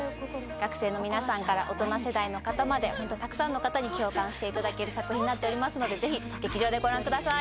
学生の皆さんから大人世代の方までたくさんの方に共感していただける作品になっておりますのでぜひ劇場でご覧ください。